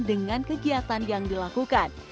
dengan kegiatan yang dilakukan